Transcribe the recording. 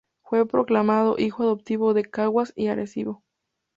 Fue proclamado: Hijo Adoptivo de Caguas y Arecibo.